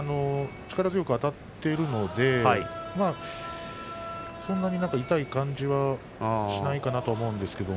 力強くあたっていますのでそんなに痛い感じはしないと思います。